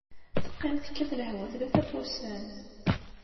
Teqqim tekkat lehwa tlata n wussan.